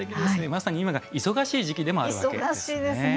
まさに今が忙しい時期でもあるわけですね。